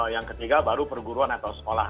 yang ketiga baru perguruan atau sekolah